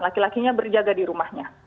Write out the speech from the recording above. lakinya berjaga di rumahnya